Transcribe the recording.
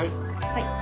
はい。